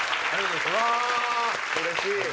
わうれしい！